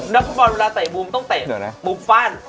นักฟุตบอลเวลาเตะมุมต้องเตะนะมุมฟ่าน